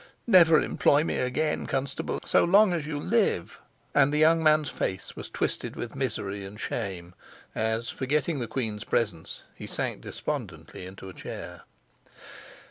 Never employ me again, Constable, so long as you live," and the young man's face was twisted with misery and shame, as, forgetting the queen's presence, he sank despondently into a chair.